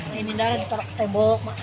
mainin darah di tolak tembok